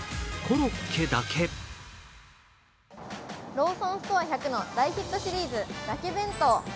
ローソンストア１００の大ヒットシリーズ、だけ弁当。